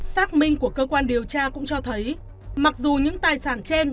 xác minh của cơ quan điều tra cũng cho thấy mặc dù những tài sản trên